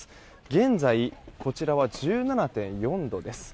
現在、こちらは１７．４度です。